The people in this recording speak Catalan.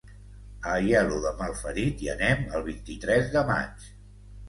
A Aielo de Malferit hi anem el vint-i-tres de maig.